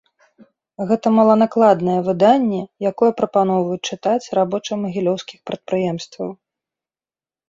Гэта маланакладнае выданне, якое прапаноўваюць чытаць рабочым магілёўскіх прадпрыемстваў.